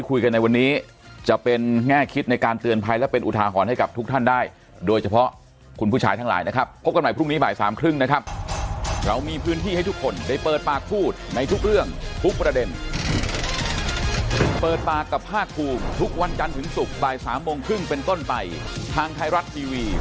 คุยกันในวันนี้จะเป็นแง่คิดในการเตือนภัยและเป็นอุทาหรณ์ให้กับทุกท่านได้โดยเฉพาะคุณผู้ชายทั้งหลายนะครับพบกันใหม่พรุ่งนี้บ่ายสามครึ่งนะครับ